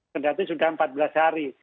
berarti sudah empat belas hari